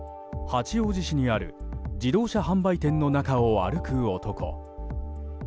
八王子市にある自動車販売店の中を歩く男。